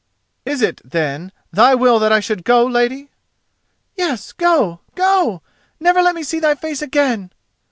"Is it, then, thy will that I should go, lady?" "Yes, go!—go! Never let me see thy face again!"